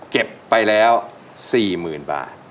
เก็บไปแล้ว๔หมื่นบาท